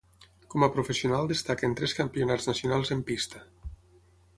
Com a professional destaquen tres campionats nacionals en pista.